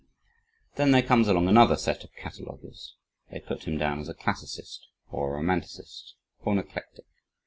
Then there comes along another set of cataloguers. They put him down as a "classicist," or a romanticist, or an eclectic.